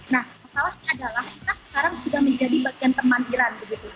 nah masalahnya adalah kita sekarang sudah menjadi bagian teman iran begitu